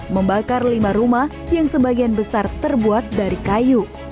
membakar lima rumah yang sebagian besar terbuat dari kayu